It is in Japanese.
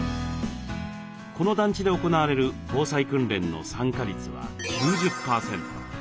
この団地で行われる防災訓練の参加率は９０％。